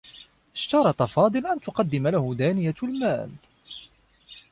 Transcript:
اشترط فاضل أن تقدّم له دانية المال.